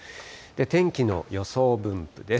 天気の予想分布です。